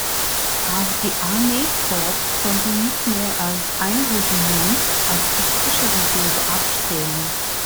Auch die Armeekorps konnten nicht mehr als ein Regiment als taktische Reserve abstellen.